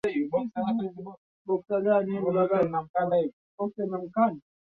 Jacob Matata alichungulia nje